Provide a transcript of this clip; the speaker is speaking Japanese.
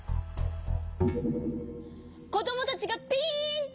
こどもたちがピンチ！